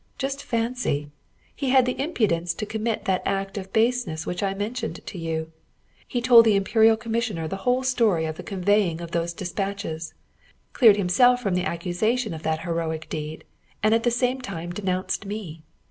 Just fancy! he had the impudence to commit that act of baseness which I mentioned to you: he told the Imperial Commissioner the whole story of the conveying of those despatches, cleared himself from the accusation of that heroic deed, and at the same time denounced me.